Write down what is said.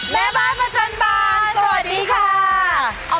แม่บ้านประจันบานสวัสดีค่ะ